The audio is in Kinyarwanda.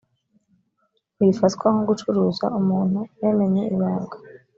ntibifatwa nko gucuruza umuntu yamenye ibanga